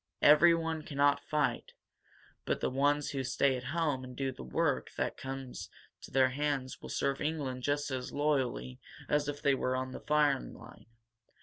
Everyone cannot fight, but the ones who stay at home and do the work that comes to their hands will serve England just as loyally as if they were on the firing line.